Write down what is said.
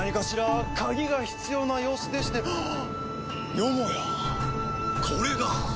よもやこれが？